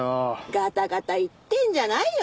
ガタガタ言ってんじゃないよ！